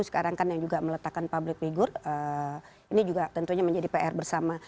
sekarang kan yang juga meletakkan public figure ini juga tentunya menjadi pr bersama